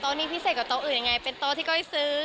นี้พิเศษกว่าโต๊ะอื่นยังไงเป็นโต๊ะที่ก้อยซื้อ